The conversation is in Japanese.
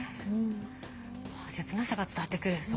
切なさが伝わってくる。